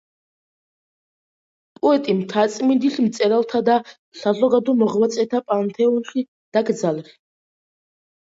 პოეტი მთაწმინდის მწერალთა და საზოგადო მოღვაწეთა პანთეონში დაკრძალეს.